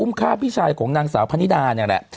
ฆ่าพี่ชายของนางสาวพนิดาเนี่ยแหละ